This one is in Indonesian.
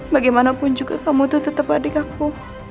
bagaimanapun juga kamu itu tetap adik aku